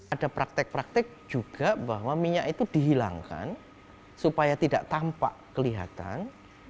ada praktek praktek juga bahwa minyak itu dihilangkan supaya tidak tampak kelihatan